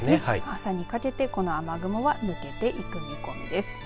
朝にかけてこの雨雲は抜けていく見込みです。